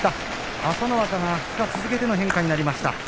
朝乃若、２日続けての変化になりました。